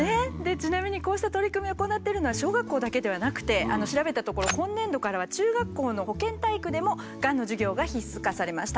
ちなみにこうした取り組みを行っているのは小学校だけではなくて調べたところ今年度からは中学校の保健体育でもがんの授業が必須化されました。